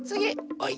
はい。